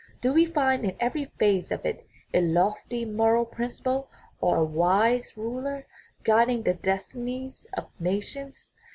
Do we find in every phase of it a lofty moral principle or a wise ruler, guiding the destinies of nations?